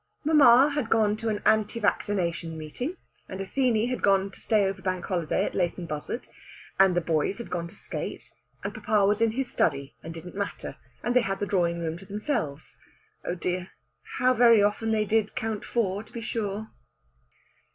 Mamma had gone to an anti vaccination meeting, and Athene had gone to stay over Bank Holiday at Leighton Buzzard, and the boys had gone to skate, and papa was in his study and didn't matter, and they had the drawing room to themselves. Oh dear, how very often they did count four, to be sure!